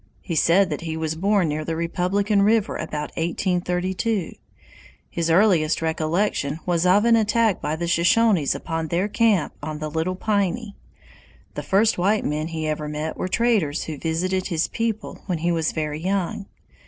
He said that he was born near the Republican River about 1832. His earliest recollection was of an attack by the Shoshones upon their camp on the Little Piney. The first white men he ever met were traders who visited his people when he was very young.